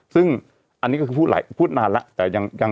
ซึ่งอันนี้ก็คือพูดนานละ